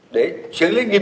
để xử lý nghiêm